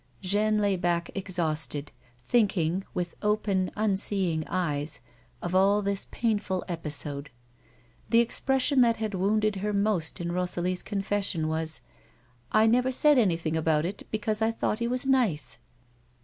Jeanne lay back exhausted, thinking, with open unseeing eyes, of all this painful episode. The expression that had wounded her most in Rosalie's confession was : "I never said anything about it because I thought he was nice."